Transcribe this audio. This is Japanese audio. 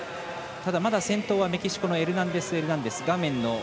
ただまだ先頭はメキシコのエルナンデスエルナンデス。